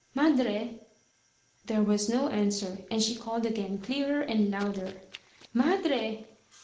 "Madre!" There was no answer, and she called again, clearer and louder. "Ma dre!"